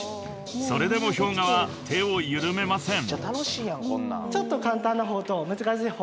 ［それでもＨｙＯｇＡは手を緩めません］